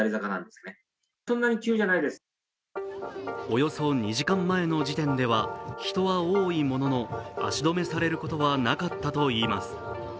およそ２時間前の時点では人は多いものの足止めされることはなかったといいます。